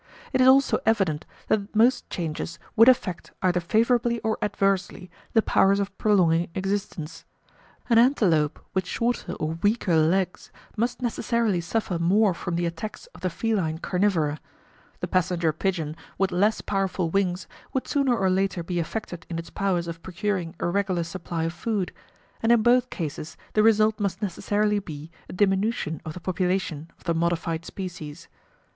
It is also evident that most changes would affect, either favourably or adversely, the powers of prolonging existence. An antelope with shorter or weaker legs must necessarily suffer more from the attacks of the feline carnivora; the passenger pigeon with less powerful wings would sooner or later be affected in its powers of procuring a regular supply of food; and in both cases the result must necessarily be a diminution of the population of the modified species.